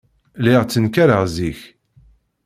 Lliɣ ttenkareɣ zik.